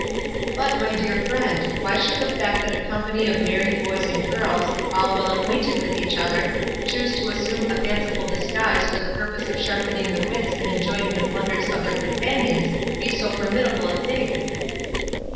"But, my dear friend, why should the fact that a company of merry boys and girls, all well acquainted with each other, choose to assume a fanciful disguise for the purpose of sharpening the wits and enjoying the blunders of their com panions, be so formidable a thing?"